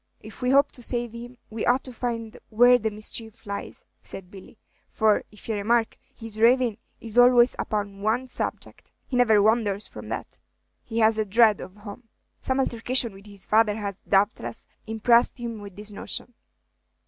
"If we hope to save him, we ought to find out where the mischief lies," said Billy; "for, if ye remark, his ravin' is always upon one subject; he never wanders from that." "He has a dread of home. Some altercation with his father has, doubtless, impressed him with this notion."